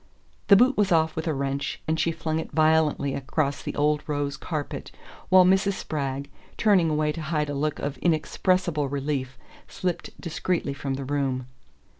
The boot was off with a wrench, and she flung it violently across the old rose carpet, while Mrs. Spragg, turning away to hide a look of inexpressible relief, slipped discreetly from the room.